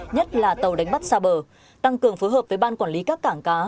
nhất là tàu đánh bắt xa bờ tăng cường phối hợp với ban quản lý các cảng cá